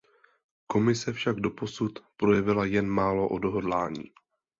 Komise však doposud projevila jen málo odhodlání.